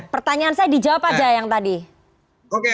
pertanyaan saya dijawab aja yang tadi